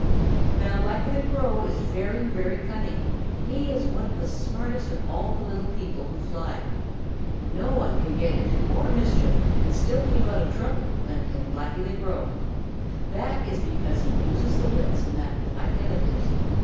Now Blacky the Crow is very, very cunning. He is one of the smartest of all the little people who fly. No one can get into more mischief and still keep out of trouble than can Blacky the Crow. That is because he uses the wits in that black head of his.